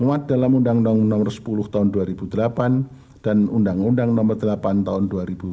muat dalam undang undang nomor sepuluh tahun dua ribu delapan dan undang undang nomor delapan tahun dua ribu delapan